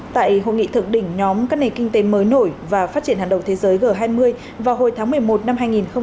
tại hội nghị thượng đỉnh nhóm các nền kinh tế mới nổi và phát triển hàng đầu thế giới g hai mươi vào hồi tháng một mươi một năm hai nghìn hai mươi